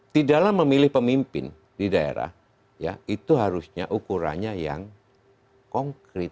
di dalam memilih pemimpin di daerah ya itu harusnya ukurannya yang konkret